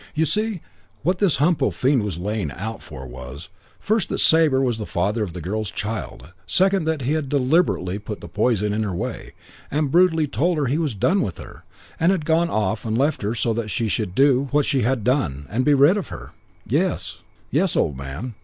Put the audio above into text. "You see, what this Humpo fiend was laying out for was, first that Sabre was the father of the girl's child, second that he'd deliberately put the poison in her way, and brutally told her he was done with her, and gone off and left her so that she should do what she had done and he be rid of her. Yes. Yes, old man.